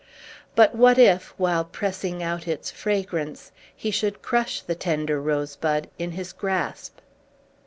But what if, while pressing out its fragrance, he should crush the tender rosebud in his grasp!